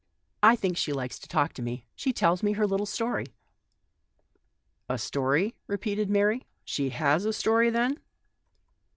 I think she likes to talk to me ; she tells me her little story." "A story," repeated Mary; "she has a stoiy then